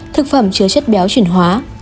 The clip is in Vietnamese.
năm thực phẩm chứa chất béo chuyển hóa